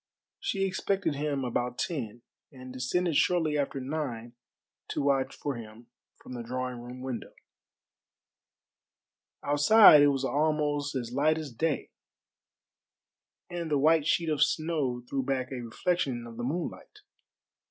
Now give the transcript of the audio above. She expected him about ten, and descended shortly after nine to watch for him from the drawing room window. Outside it was almost as light as day, and the white sheet of snow threw back a reflection of the moonlight.